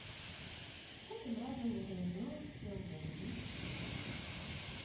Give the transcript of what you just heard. Гэтым разам ён зноў сеў за рулі п'яным.